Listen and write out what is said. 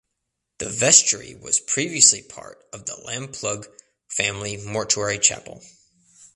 The vestry was previously part of the Lamplugh family mortuary chapel.